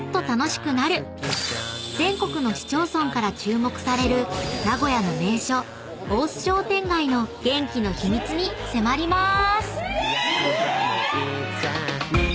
［全国の市町村から注目される名古屋の名所大須商店街の元気の秘密に迫りまーす！］